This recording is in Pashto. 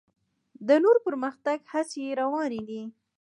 د نور پرمختګ هڅې یې روانې دي.